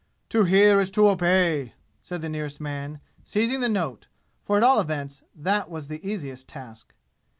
"To hear is to obey!" said the nearest man, seizing the note, for at all events that was the easiest task.